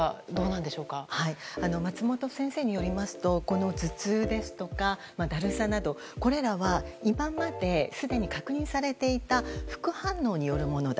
松本先生によりますとこの頭痛ですとか、だるさなどこれらは今まですでに確認されていた副反応によるものだ。